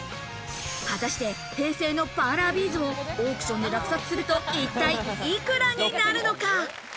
果たして、平成のパーラービーズをオークションで落札すると一体幾らになるのか？